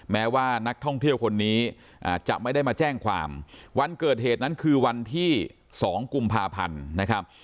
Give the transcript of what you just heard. แม้ว่านักท่องเที่ยวคนนี้จะไม่ได้มาแจ้งความวันเกิดเหตุนั้นคือวันที่๒กุมภาพันธ์นะครับ